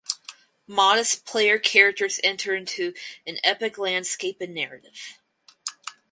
Modest player characters enter into an epic landscape and narrative.